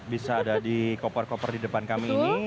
bisa ada di koper koper di depan kami ini